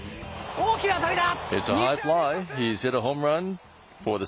大きな当たりだ。